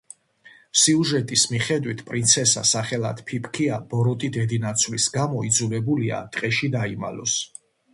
სიუჟეტის მიხედვით, პრინცესა სახელად „ფიფქია“ ბოროტი დედინაცვლის გამო იძულებულია ტყეში დაიმალოს.